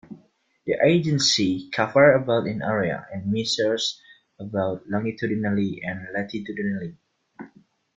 The Aegean Sea covers about in area, and measures about longitudinally and latitudinally.